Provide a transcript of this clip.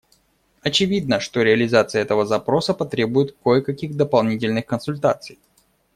Очевидно, что реализация этого запроса потребует кое-каких дополнительных консультаций.